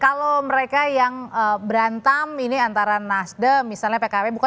kalau mereka yang berantam ini antara nasdam misalnya pkb